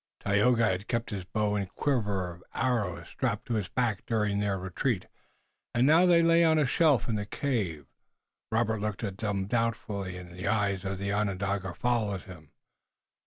Tayoga had kept his bow and quiver of arrows strapped to his back during their retreat, and now they lay on a shelf in the cave. Robert looked at them doubtfully and the eyes of the Onondaga followed him.